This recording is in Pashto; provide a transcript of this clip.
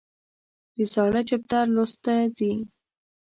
د زاړه چپټر لوسته دي